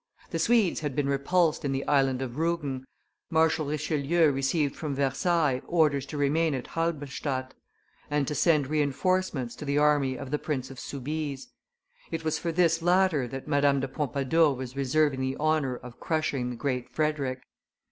The Swedes had been repulsed in the Island of Rugen, Marshal Richelieu received from Versailles orders to remain at Halberstadt, and to send re enforcements to the army of the Prince of Soubise; it was for this latter that Madame de Pompadour was reserving the honor of crushing the Great Frederick.